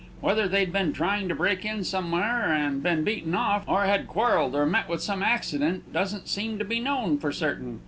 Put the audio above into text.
Whether they'd been trying to break in somewhere and been beaten off, or had quarrelled, or met with some accident, doesn't seem to be known for certain.